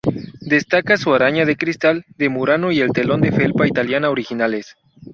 Destacan su araña de cristal de Murano y el telón de felpa italiana originales.